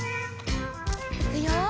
いくよ。